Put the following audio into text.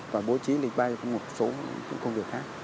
và bố trí lịch bay một số công việc khác